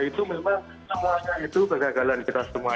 itu memang semuanya itu kegagalan kita semua